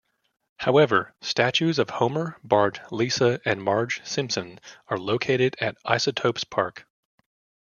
However, statues of Homer, Bart, Lisa, and Marge Simpson are located at Isotopes Park.